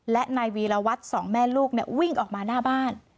และนายวีรวัตรสองแม่ลูกวิ่งออกมาหน้าบ้าน